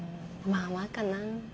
まあまあかな。